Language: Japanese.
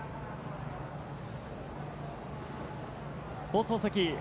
放送席。